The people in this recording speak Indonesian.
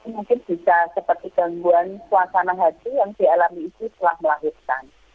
mungkin bisa seperti gangguan suasana hati yang dialami itu setelah melahirkan